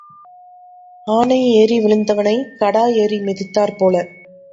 ஆனை ஏறி விழுந்தவனைக் கடா ஏறி மிதித்தாற்போல.